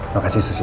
makasih susi ya